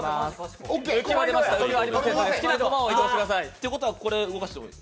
ということはこれ、動かしてもいい？